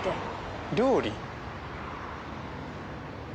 料理？